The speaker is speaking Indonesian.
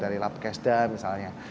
dari labkesda misalnya